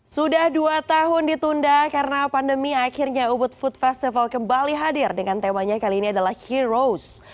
sudah dua tahun ditunda karena pandemi akhirnya ubud food festival kembali hadir dengan temanya kali ini adalah heroes